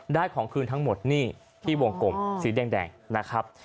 ของคืนทั้งหมดนี่ที่วงกลมสีแดงนะครับ